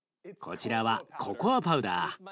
こちらはココアパウダー。